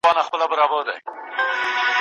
زموږ له شونډو مه غواړه زاهده د خلوت کیسه